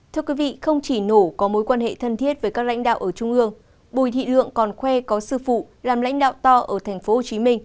thưa quý vị không chỉ nổ có mối quan hệ thân thiết với các lãnh đạo ở trung ương bùi thị lượng còn khoe có sư phụ làm lãnh đạo to ở tp hcm